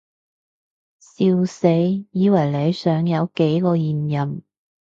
笑死，以為你想有幾個現任